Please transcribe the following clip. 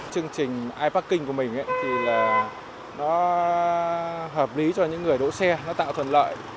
chương trình iparking của mình thì là nó hợp lý cho những người đỗ xe nó tạo thuận lợi